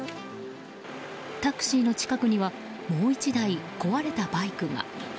タクシーの近くにはもう１台壊れたバイクが。